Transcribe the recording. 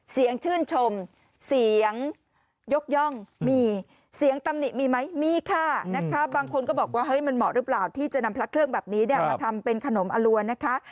เสียงชื่นชมเสียงยกย่องมีเสียงตำหนิมีไหมมีค่ะนะคะบางคนก็บอกว่าเฮ้ยมันเหมาะหรือเปล่าที่จะนำพระเครื่องแบบนี้มาทำเป็นขนมอรัวนะคะ